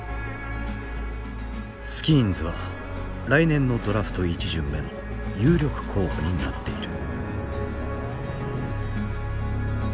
スキーンズは来年のドラフト１巡目の有力候補になっている。